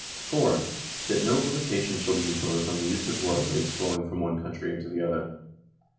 IV. That no limitation shall be imposed on the use of waterways flowing from one country into the other.